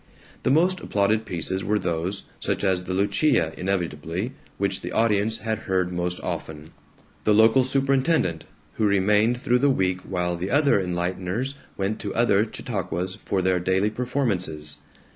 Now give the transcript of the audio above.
The most applauded pieces were those, such as the "Lucia" inevitability, which the audience had heard most often. The local superintendent, who remained through the week while the other enlighteners went to other Chautauquas for their daily performances.